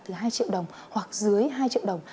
từ hai triệu đồng hoặc dưới hai triệu đồng